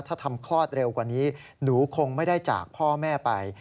ถ้าทำคลอดเร็วกว่านี้หนูคงไม่ได้จากพ่อแม่ไป